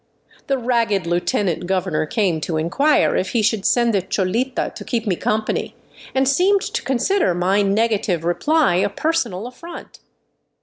The ragged lieutenant governor came to inquire if he should send a *' cholita " to keep me company, and seemed to consider my negative re ply a personal affront.